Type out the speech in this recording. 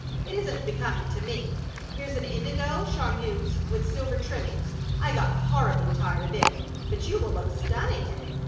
It isn't becoming to me. Here's an indigo charmeuse with silver trimmings. I got horribly tired of it, but you will look stunning in it.